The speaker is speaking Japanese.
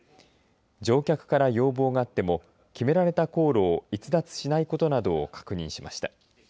乗客から要望があっても決められた航路を逸脱しないことなどを確認しました。